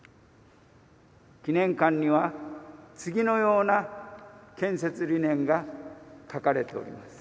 記念館には、次のような建設理念が書かれております。